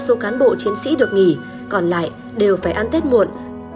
chỉ một phần ba số cán bộ chiến sĩ được nghỉ còn lại đều phải ăn tết muộn